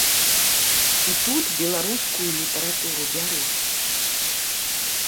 І тут беларускую літаратуру бяруць.